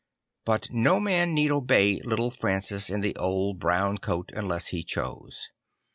But no man need obey little Francis in the old brown coat unless he chose.